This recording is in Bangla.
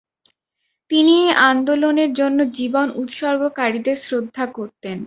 তিনি এই আন্দোলনের জন্য জীবন উৎসর্গকারীদের শ্রদ্ধা করতেন।